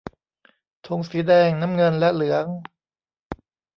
ธงสีแดง น้ำเงิน และเหลือง